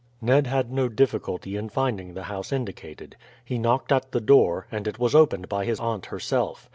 Ned had no difficulty in finding the house indicated. He knocked at the door, and it was opened by his aunt herself.